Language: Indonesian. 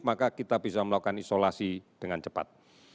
maka kita bisa melakukan isolasi dengan cepat